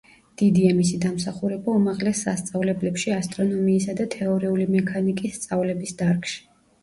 დიდია მისი დამსახურება უმაღლეს სასწავლებლებში ასტრონომიისა და თეორიული მექანიკის სწავლების დარგში.